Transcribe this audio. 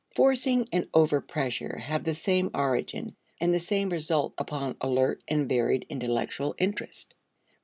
Forcing and overpressure have the same origin, and the same result upon alert and varied intellectual interest.